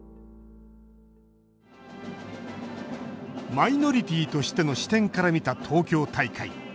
マイノリティーとしての視点から見た東京大会。